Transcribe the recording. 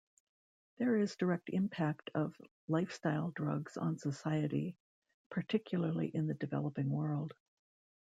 There is direct impact of lifestyle drugs on society, particularly in the developing world.